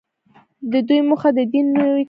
د دوی موخه د دین نوی کول وو.